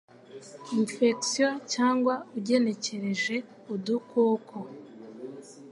Infections cyangwa ugenekereje udukoko